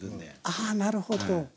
ああなるほど。